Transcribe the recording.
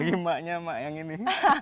emaknya emak yang ini